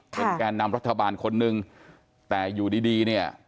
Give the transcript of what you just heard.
เป็นแก่นำรัฐบาลคนนึงแต่อยู่ดีดีเนี่ย